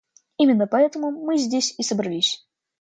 Именно поэтому мы здесь и собрались.